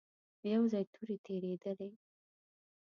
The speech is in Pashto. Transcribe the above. يو ځای تورې تېرېدلې.